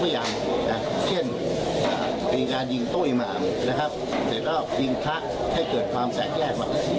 พี่น้องอสซึ่งเป็นมุสลินทั้งสี่ท่านอุ้มร่างขึ้นโชคเลือดไปโรงพยาบาล